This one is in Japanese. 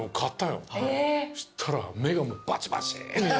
したら目がもうバチバチ。